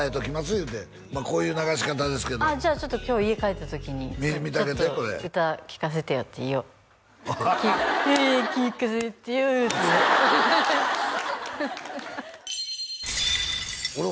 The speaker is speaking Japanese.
いうてこういう流し方ですけどじゃあちょっと今日家帰った時に見てあげてこれちょっと歌聴かせてよって言おううえい聴かせてよって言おう